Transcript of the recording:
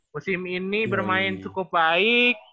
musim ini bermain cukup baik